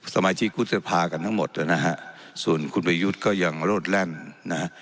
สมาชิกวุฒิสภากันทั้งหมดนะฮะส่วนคุณประยุทธ์ก็ยังโลดแล่นนะฮะ